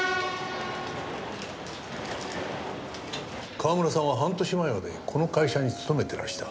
川村さんは半年前までこの会社に勤めてらした。